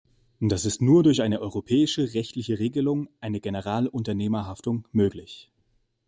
Das ist nur durch eine europäische rechtliche Regelung, eine Generalunternehmerhaftung, möglich.